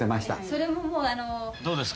・それももうあのどうですか？